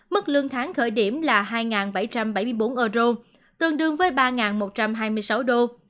mức lương tháng khởi điểm là hai bảy trăm bảy mươi bốn euro tương đương với ba một trăm hai mươi sáu đô